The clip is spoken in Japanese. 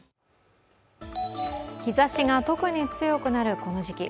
日ざしが特に強くなるこの時期。